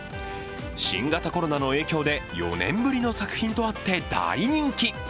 新型コロナの影響で４年ぶりの作品とあって大人気。